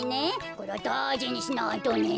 これはだいじにしないとね。